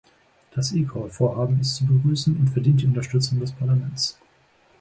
Das eCall-Vorhaben ist zu begrüßen und verdient die Unterstützung des Parlaments.